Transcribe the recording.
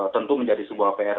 tentu menjadi sebuah pr